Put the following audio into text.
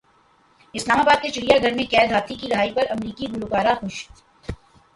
اسلام باد کے چڑیا گھر میں قید ہاتھی کی رہائی پر امریکی گلوکارہ خوش